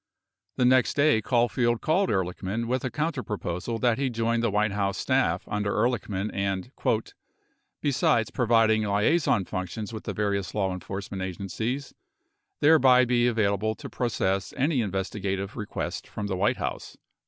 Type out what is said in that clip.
3 The next day Caulfield called Ehrlichman with a counterproposal that he join the White House staff under Ehrlichman and, "besides providing liaison functions with the various law enforcement agencies, thereby be available to process any investigative requests from the White House."